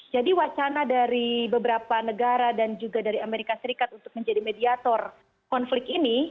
jadi wacana dari beberapa negara dan juga dari amerika serikat untuk menjadi mediator konflik ini